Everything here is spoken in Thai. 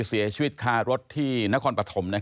เสียชีวิตคารถที่นครปฐม